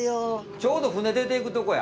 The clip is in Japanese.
ちょうど船出ていくとこや。